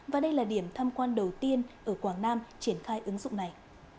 và đây là điểm tham quan đầu tiên ở quảng nam triển khai ứng dụng này